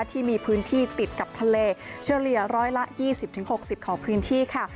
ที่มีพื้นที่ติดกับทะเลเฉลี่ย๑๒๐๖๐ของพื้นที่ค่ะ